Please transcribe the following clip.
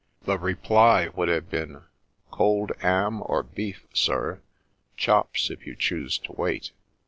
" The reply would have been :' Cold 'am or beef, sir ; chops, if you choose to wait.'